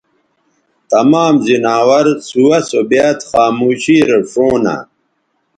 تمام زناور سُوہ سو بیاد خاموشی رے ݜؤں نہ